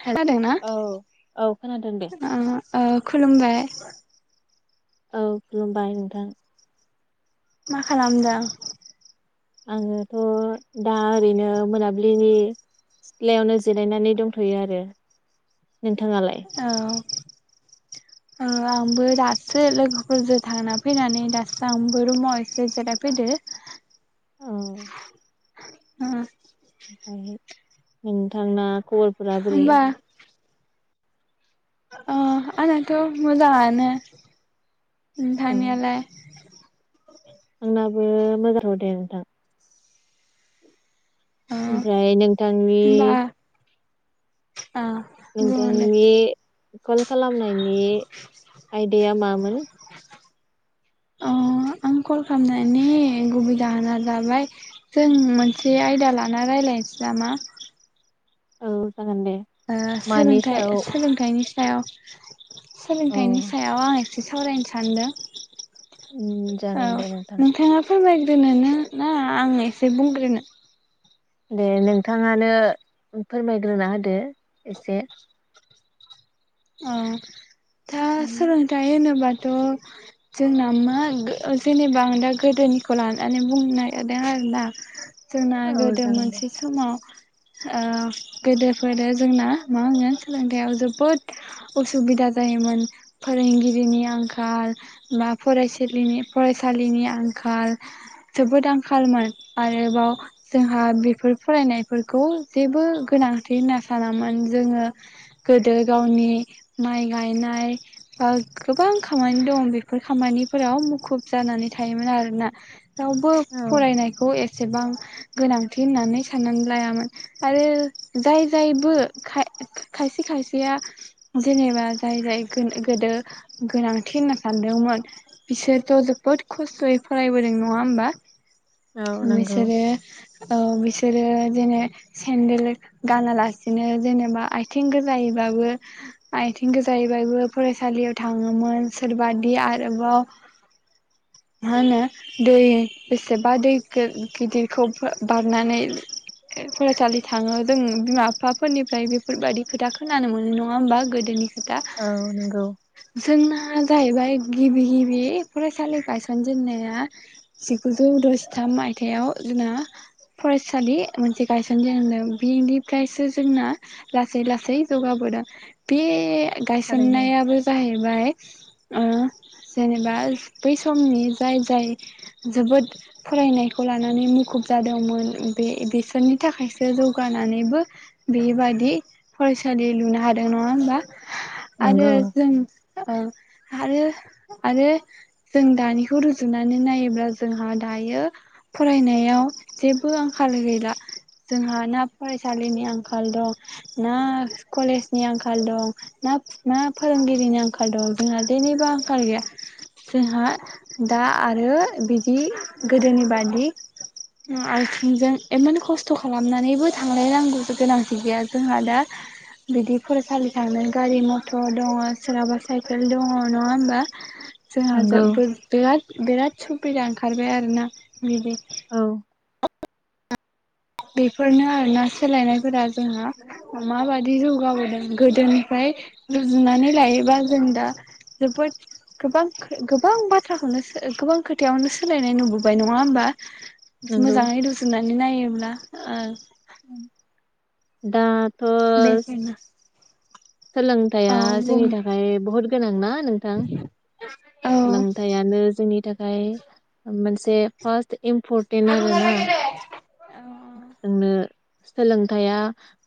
खोनादोंना औ औ खोनादों दे ओ ओ खुलुमबाय औ खुलुमबाय नोंथां। मा खालामदों आङोथ' दा ओरैनो मोनाबिलिनि सिथ्लायावनो जिरायनानै दंथ'यो आरो नोंथाङालाय औ। ओ आंबो दासो लोगोफोरजों थांना फैनानै दासो आंबो रुमाव एसे जिरायफैदो। औ ओमफ्राय ओ नोंथांना खबरफोरा बोरै? अ आंनाथ' मोजाङानो। औ नोंथांनियालाय। आंनाबो मोजां आनो दे नोंथां। ओ ओमफ्राय नोंथांनि होमबा ओ बुंगोन दे नोंथांनि। कल। खालामनायनि आयदाया मामोन। अ आं कल खालामनायनि गुबै जाहोना जाबाय जों मोनसे आयदा लाना रायज्लायनोसै नामा। औ। जागोन दे ओ मानि सायाव सोलोंथाइ सोलोंथाइनि। सायाव औ सोलोंथाइनि सायाव आं एसे सावरायनो सानदों। उम औ जागोन दे नोंथां नोंथाङाफोरमाय। दनोनो ना आं एसे बुंग्रोनो। दे नोंथाङानो फोरमायग्रोना होदो एसे। औ। दा औ सोलोंथाइ होनोबा। थ' जोंना मा जेनेबा आं दा गोदोनिखौ लानानै बुंनो नागिरदों आरोना। जोंना गोदो जागोन दे मोनसे समाव। ओ गोदोफोरो जोंना मा होनो सोलोंथाइयाव जोबोद। उसुबिदा जायोमोन फोरोंगिरिनि आंखाल बा फरायसालिनि फरायसालिनि आंखाल जोबोद आंखालमोन आरोबाव जोंहा बेफोर फरायनायफोरखौ जेबो गोनांथि होनना सानामोन जोङो गोदो। गावनि माइ गायनाय बा गोबां खामानि दं बेफोर खामानिफोराव मुखुब जानानै थायोमोन आरोना। रावबो औ फरायनायखौ एसेबां। गोनांथि होननानै साननानै लायामोन आरो जाय जायबो खाय खायसे खायसे। बिया जेनेबा जाय जाय गोदो गोनांथि होनना सानदोंमोन बिसोरथ' जोबोद खस्थ'यै फरायबोदों नङा होमबा‌। औ नंगौ बिसोरो औ बिसोरो जेने सेन्देल गानालासिनो जेनेबा आथिं गोजायै। आथिं गोजायैबाबो फरायसालियाव थाङोमोन सोरबादि आरोबाव मा होनो दै बेसेबा दै गिदिरखौ बारनानै फरायसालि थाङो जों बिमा बिफाफोरनिफ्राय बेफोरबायदि खोथा। खोनानो मोनो नङा होमबा गोदोनि। खोथा औ नंगौ। जोंना जाहैबाय गिबि गिबि फरायसालि गायसनजेनन्नाया जिगुजौ द'जिथाम मायथाइयाव जोंना फरायसालि मोनसे गायसनजेनदों बिनिफ्रायसो जोंना लासै लासै। जौगा आबादा बे थारैनो गायसननायाबो जाहैबाय ओ जेनेबा बै समनि जाय जाय जोबोद फरायनायखौ लानानै मुखुब जादोंमोन बे बिसोरनि थाखायसो जौगानानैबो बेबादि फरायस सालि लुनो हादों नङा होमबा? आरो नंगौ जों ओ आरो आरो जों दानिखौ रुजुनानै नायोब्ला जोंहा दायो फरायनायाव जेबो आंखाल गैला जोंहा ना फरायसालिनि आंखाल दं ना कलेजनि आंखाल दं ना मा फोरोंगिरिनि आंखाल दं जोंहा जेनिबो आंखाल गैया जोंहा दा आरो बिदि गोदोनि बादि आथिंजों इमान खस्थ' खालामनानैबो थांलायनांगौ गोनांथि गैया जोंहा दा बिदि फरायसालि थांनो गारि मथर दङ' सोरहाबा साइकेल दङ' नङा होमबा? जोंहा नंगौ जोबोद बिराद बिराद सुबिदा ओंखारबाय आरोना बिदि। औ बेफोरनो आरोना सोलायनायफोरा जोंहा माबादि जौगाबोदों गोदोनिफ्राय रुजुनानै लायोबा जों दा जोबोद गोबां गोबां बाथ्राखौनो गोबां खोथायावनो सोलायनाय नुबोबाय नङा होमबा? नंगौ मोजाङै रुजुना बिदि नायोब्ला ओ दा बेफोरनो सोलोंथाइया जोंनि थाखाय बुहुद गोनांना नोंथां औ सोलोंथायानो जोंनि थाख फाय मोनसे फार्स्ट इम्पर्टेन्ट आरोना जोंनो सोलोंथाया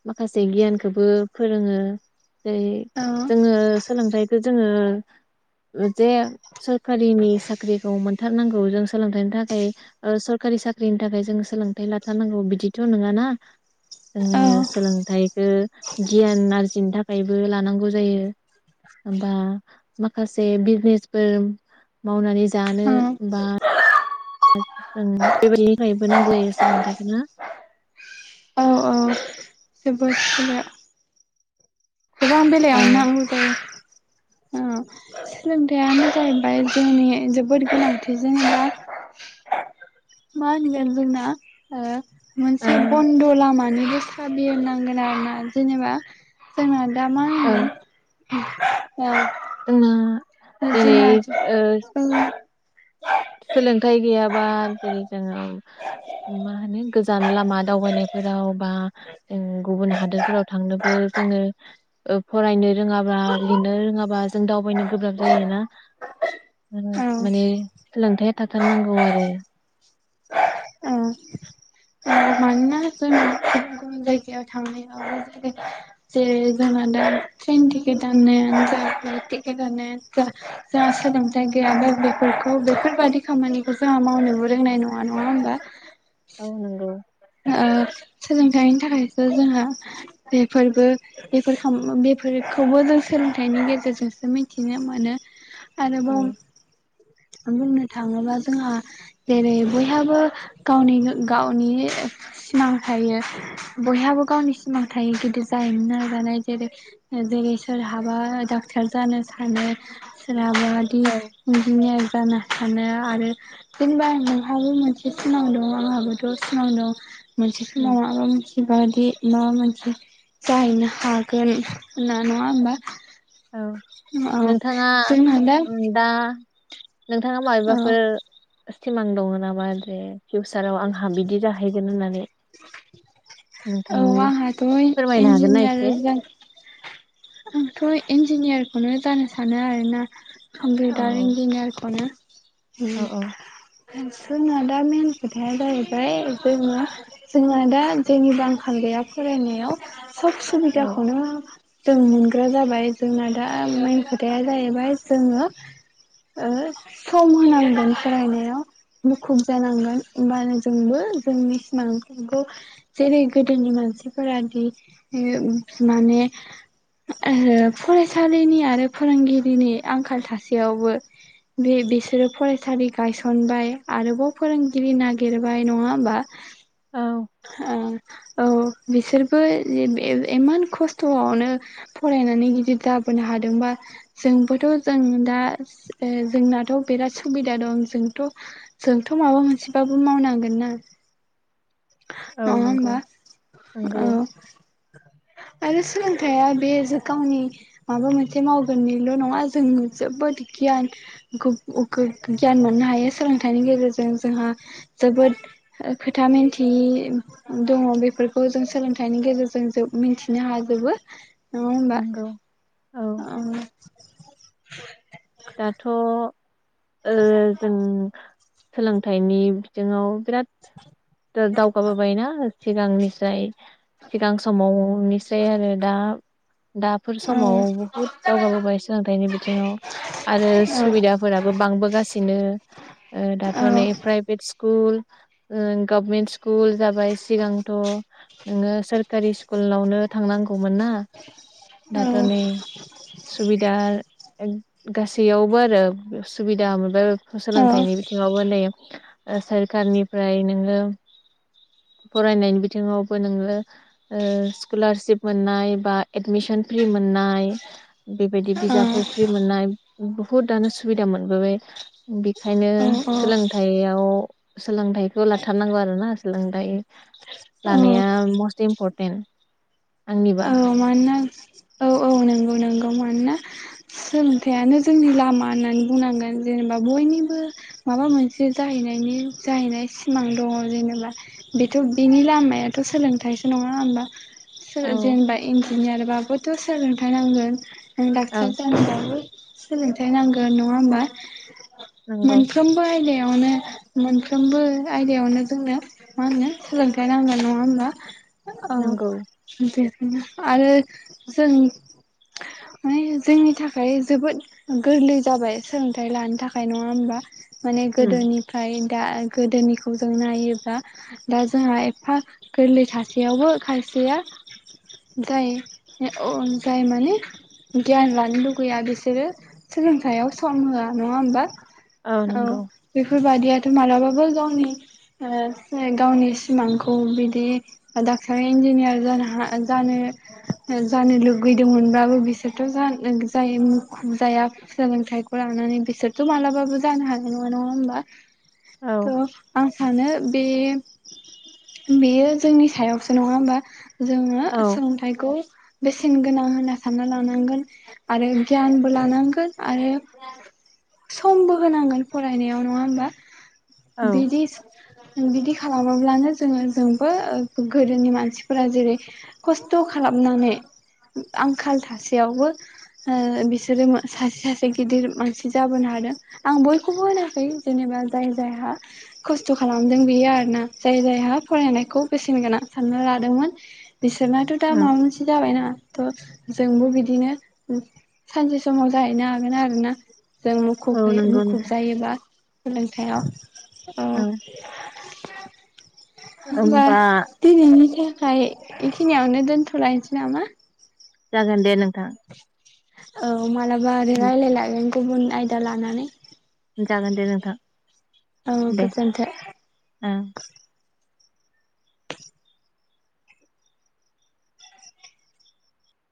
माखासे गियानखोबो फोरोङो जेरै औ जोङो सोलोंथाइखो जोङो ओ जे सरकारिनि साख्रिखौ मोन थारनांगौ जों सोलोंथाइनि थाखाय ओ सरकारि साख्रिनि थाखाय जों सोलोंथाइ ला थारनांगौ बिदिथ' नङाना जोङो औ सोलोंथाइखो गियान आरजिनो थाख फ्रायबो लानांगौ जायो होमबा माखासे बिजनेजफोर मावनानै ज जानो औ बा जों बेबायदिनि थाखायबो नांगौ जायो सोलोंथाइखौ ना? औ औ [unintelligible] गोबां औ बेलायावनो नांगौ जायो औ सोलोंथाइयानो जाहैबाय जोंनि जोबोद गोनांथि जेनेबा मा होनगोन जोंना ओ ओ मोनसे बन्द' लामानि साबि होननांगोन आरोना जेनेबा जोंनान दामा औ होनो औ जोंना जेरै ओस सोलोंथाइ गैयाबा जेरै जोङो मा होनो गोजान लामा दावबायनायफोराव बा जों गुबुन हादोरफोराव थांनोबो जोङो ओ फरायनो रोङाबा लिरनो रोङाबा जों दावबायनो गोब्राब जायोना औ औ मन-माने सोलोंथाया थाथारनांगौ आरो औ मानोना जों गुबुन गुबुन जायगायाव थांनायावबो जे जेरै जोङो दा ट्रेन टिकेट दाननायानो जा फ्लाइथ टिकेटदानोजा जा जोंहा सोलोंथाय गायाबा बेफोरखौ बेफोरबायादि खामानिखौ जोंहा मावनोबो रोंनाय नङा नङा होमबा? औ नोंगौ ओ सोलोंथाइनि थाखायसो जोंहा बेफोरबो बेफोरखाम बेफोरखौबो जों सोलोंथाइनि गेजेरजोंसो मिथिनो मोनो औ आरोबाव बुंनो थाङोब्ला जोंहा जेरै बयहाबो गावनि गावनि सिमां थायो बयहाबो गावनि सिमां थायो गिदिर जाहैनो नाजानाय जेरै जेरै सोरहाबा डक्टर जानो सानो सो राबादि अनजिमाया जाना थानो आरो जेनबा नोंहाबो मोनसे सिमाव दं आंहाबोथ' सिमाव दं। मोनसे समाव उम मबा मोनसे बायदि माबा मोनसे जाहैनो हागोन होनना नङा होमबा? औ औ नोंथाङा जोंना दा उम दा नोंथाङा औ मायबेबाफोर सिमां दङ नामा जे फिउचाराव आंहा बिदि जाहैगोन होननानै। औ नोंथांनि आंहाथ' फोरमायनो हागोन ना इन्जिनियार एसे जान आंथ' इन्जिनियारखौनो जानो सानो आरोना औ कम्पिउटार इन्जिनियारखौनो। औ उम। जोंना दा मेन खोथाया जाहैबाय जोंङो जोंना दा जेनिबो आंखाल गैया फरायनायाव। सब औ सुबिदाखौनो‌ जों मोनग्रा जाबाय जोंना दा मेन खोथाया जाहैबाय जोङो ओ सम होनांगोन फरायनायाव मुखुब जानांगोन ओमबानो जोंबो जोंनि सिमांखौ जेरै गोदोनि मानसिफोरादि माने ओ फरायसालिनि आरो फोरोंगिरिनि आंखाल थासेयावबो बे बिसोरो फरायसालि गायसनबाय आरोबाव फोरोंगिरि नागिरबाय नङा होमबा? औ ओं। औ बिसोरबो जेब ब इमान खस्थ'आवनो फरायनानै गिदिर जाबोनो हादोंबा जोंबोथ' जों दा ओ जोंनाथ' बिराद सुबिदा दं जोंथ' जोंथ' माबा मोनसेबाबो मावनांगोन ना। औ नङा नंगौ होमबा? औ। नंगौ आरो सोलों थाया बे गावनि माबा मोनसे मावगोननिल' नङा जों जोबोद गियान खौब गोब गियान मोननो हायो सोलोंथाइनि गेजेरजों जोंहा जोबोद खोथा मिथियै दङ बेफोरखौ जों सोलोंथाइनि गेजेरजों जोब मिन्थिनो हाजोबो। नङा होमबा नोंगौ औ। दाथ' ओ जों सोलोंथाइनि बिथिङाव बिराद दावगाबोबाय ना? सिगांनिसाय सिगां समावनिसाय आरो दा दाफोर औ समाव बुहुद दावगाबोबाय सोलोंथाइनि बिथिङाव। आरो सुबिदाफोराबो बांबोगासिनो ओ दाथ' नै प्राइभेट स्कुल ओ गभमेन्ट स्कुल जाबाय सिगांथ नोङो सकारि स्कुलावनो थांनांगौ खौ मोना औ दाथ' नै सुबिदा [unintelligible] गासैयावबो आरो सुबिदा मोनबाय औ सोलोंथाइनि बिथिङावबो नै ओ सोरखारनि ओमफ्राय नोङो फरायनायनि बिथिङावबो नोङो ओ स्कलारसिप मोननाय बा एडमिसन फ्रि मोन मोननाय बेबायदि बिजाबफोर फ्रि मोननाय बुहुतआनो सुबिदा मोनबोबाय बि खायनो औ सोलोंथाइयाव सोलोंथाइखौ लाथारनांगौ आरोना सोलोंथाइ औ लानाया मस्ट इमपरट टेन [inaudible] औ मानोना? औ औ नंगौ नंगौ मानोना सोलोंथाइयानो जोंनि लामा होननानै बुंनांगोन जेनेबा बयनिबो माबा मोनसे जाहैनायनि जाहैनाय सिमां दङ जेनेबा बेथ बेनि लामायाथ सोलोंथाइसो नङा होनबा? औ सोलोंथायहोनबा इन्जिनियारबाबोथ सोलोंथाइ नांगोन डाक्टार जानोबाबो सोलोंथाइ नांगोन नङा होमबा? नंगौ मोनफ्रोमबो आयदाया यावनो मोनफ्रोमबो आयदायावनो जोंनो मा होनो सोलोंथाइ नांगोन नङा होमबा? औ नंगौ बेखायनो आरो जों माने जोंनि थाखाय जोबोद गोरलै जाबाय सोलोंथाइ लानो थाखाय नङा होमबा? माने गोदोनिफ्राय दा गोदोनिखौ जों नायोब्ला दा जोंहा एफा गोरलै थासेयावबो खायसेया जाय अ जाय माने गियान लानो लुगैया बिसोरो सोलोंथाइयाव सम होआ नङा होमबा? औ बेफोर बा दियाथ मालाबाबो गावनि ओ गावनि सिमांखौ बिदि डाक्टर इन्जिनियार जानो हाय जानो जानो लुगैदोंमोनबाबो बिसोरथ जानो जाय मुखुब जाया सोलोंथाइखौ लानानै बिसोरथ मालाबाबो जानो हानाय नङा नङा होमबा? औ थ आं सानो बे बेयो जोंनि सायावसो नङा होमबा? जोङो औ सोलोंथाइखौ बेसेन गोनां होनना सानना लानांगोन आरो गियानबो लानांगोन आरो समबो होनांगोन फरायनायाव नङा होनबा? औ बिदिस बिदि खालामोब्लानो जोङो जोंबो गोदोनि मानसिफोरा जेरै खस्थ खालामनानै आंखाल थासेयावबो बिसोरो सासे सासे गिदिर मानसि जाबोनो हादों आं बयखौबो होनाखै जेनेबा जाय जायहा खस्थ खालामदों बेयो आरोना जाय जायहा फरायनायखौ बेसेन गोनां सानना लादोंमोन बिसोरनाथ दा औ माबा मोनसे जाबायना? थ जोंबो बिदिनो सानसे समाव जाहैनो हागोन आरोना जों मुखुब औ होय नंगौ मुखुब नोंथां जायोबा हेलौ औ होमबा दिनैनि जे [unintelligible] बेखिनियावनो दोनथ'लायनोसै नामा? जागोन दे नोंथां औ मालाबा आरो‌ रायलायलायो गुबुन आयदा लानानै जागोन दे नोंथां औ गोजोनथो ओ